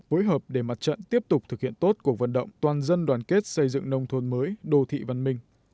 hối hợp để mặt trận tiếp tục thực hiện tốt cuộc vận động toàn dân đoàn kết xây dựng nông thôn mới đô thị văn minh